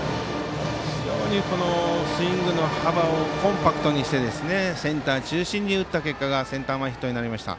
非常にスイングの幅をコンパクトにしてセンター中心に打った結果がセンター前ヒットになりました。